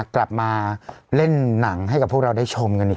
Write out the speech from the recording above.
กลับมาเล่นหนังให้กับพวกเราได้ชมกันหนึ่งครั้ง